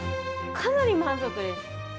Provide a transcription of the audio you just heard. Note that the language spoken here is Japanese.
かなり満足です